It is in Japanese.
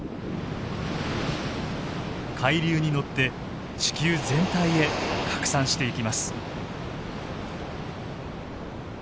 海流に乗って地球全体へ拡散していきます。